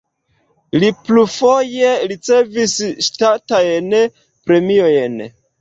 Li plurfoje ricevis ŝtatajn premiojn.